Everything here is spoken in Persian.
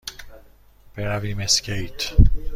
برویم اسکیت؟